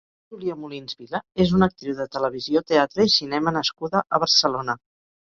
Júlia Molins Vila és una actriu de televisió, teatre i cinema nascuda a Barcelona.